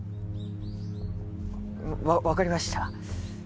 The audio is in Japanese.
わ分かりました。